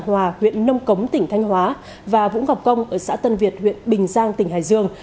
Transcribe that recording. hòa huyện nông cống tỉnh thanh hóa và vũ ngọc công ở xã tân việt huyện bình giang tỉnh hải dương